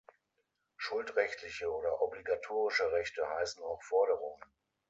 Schuldrechtliche oder „obligatorische“ Rechte heißen auch Forderungen.